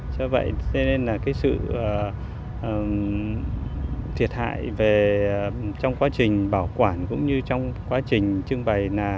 cho nên là sự thiệt hại trong quá trình bảo quản cũng như trong quá trình trưng bày